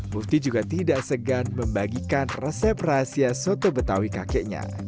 mufti juga tidak segan membagikan resep rahasia soto betawi kakeknya